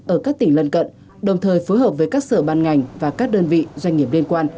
ở các tỉnh lân cận đồng thời phối hợp với các sở ban ngành và các đơn vị doanh nghiệp liên quan